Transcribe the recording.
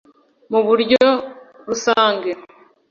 Mu buryo rusange